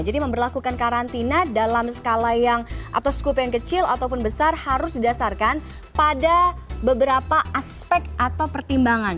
jadi memperlakukan karantina dalam skala yang atau skup yang kecil ataupun besar harus didasarkan pada beberapa aspek atau pertimbangan